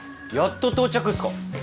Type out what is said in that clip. やっと到着っすか。